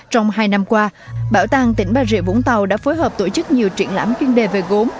trong hai năm qua bảo tàng tỉnh bà rịa vũng tàu đã phối hợp tổ chức nhiều triển lãm chuyên đề về gốm